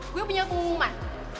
gue punya pengumuman